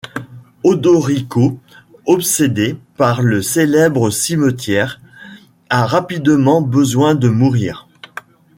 Odorico, obsédé par le célèbre cimetière, a rapidement besoin de mourir.